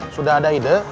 sudah ada ide